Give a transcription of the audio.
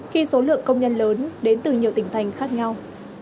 khi số lượng công nhân lớn đến từ nhiều tỉnh thành khác nhau